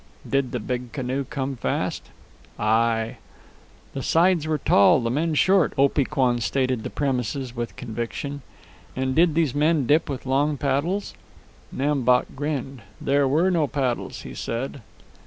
"Did the big canoe come fast?" "Ay." "The sides were tall, the men short." Opee Kwan stated the premises with conviction. "And did these men dip with long paddles?" Nam Bok grinned. "There were no paddles," he said.